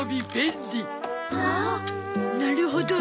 なるほど。